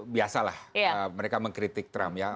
biasalah mereka mengkritik trump